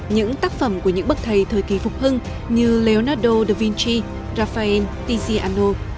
những tác phẩm của những bức thầy thời kỳ phục hưng như leonardo da vinci raphael tiziano